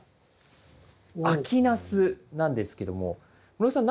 秋ナスなんですけども室井さん